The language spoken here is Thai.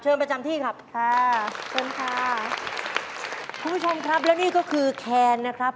เชิญประจำที่ครับขอบคุณค่ะคุณผู้ชมครับและนี่ก็คือแครนนะครับ